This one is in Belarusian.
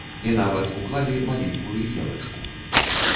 І нават уклалі маленькую елачку.